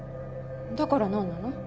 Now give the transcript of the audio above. だからなんなの？